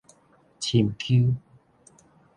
深丘